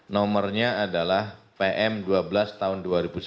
nomornya adalah pm dua belas tahun dua ribu sembilan belas